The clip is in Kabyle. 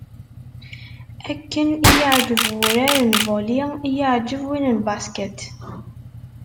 Akken i y-iεǧeb wurar n volley i y-iεǧeb win n basket.